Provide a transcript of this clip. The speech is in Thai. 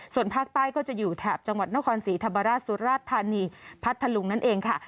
ส่วนภาคใต้ก็จะอยู่แถบจังหวัดนครศรีธรรมราชสุราชธานีพัทธลุงนั่นเองค่ะ